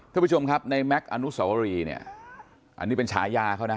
ท่านผู้ชมครับในแม็กซ์อนุสวรีเนี่ยอันนี้เป็นฉายาเขานะ